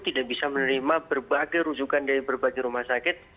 tidak bisa menerima berbagai rujukan dari berbagai rumah sakit